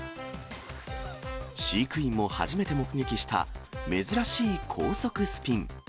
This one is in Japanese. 飼育員も初めて目撃した、珍しい高速スピン。